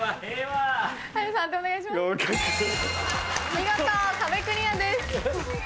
見事壁クリアです。